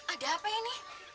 ada apa ini